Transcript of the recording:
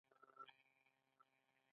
هغوی د ژور شمیم سره په باغ کې چکر وواهه.